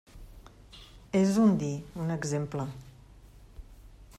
És un dir, un exemple.